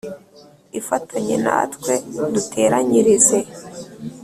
Ifatanye Natwe Duteranyirize